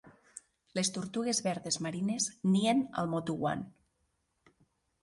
Les tortugues verdes marines nien al Motu One.